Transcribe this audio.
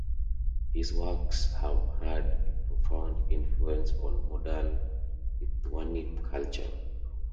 His works have had a profound influence on modern Lithuanian culture.